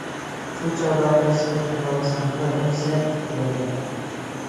شۇ چاغدا قايسى پەننى تاللىسام بولا دەپ سەل ئىككىلەندىم.